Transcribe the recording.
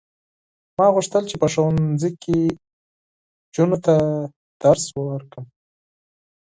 ما غوښتل چې په ښوونځي کې نجونو ته درس ورکړم.